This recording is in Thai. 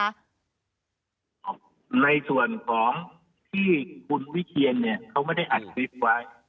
ในส่วนของที่คุณวิเชียนเนี่ยเขาไม่ได้อัดคลิปไว้